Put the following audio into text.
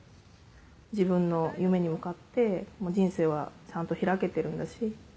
自分の夢に向かって人生はちゃんと開けてるんだし。